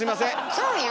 そうよ！